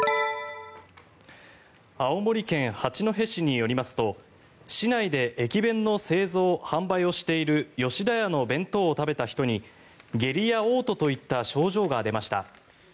青森県八戸市によりますと市内で駅弁の製造・販売をしている吉田屋の弁当を食べた人に下痢やおう吐といった症状が出ました。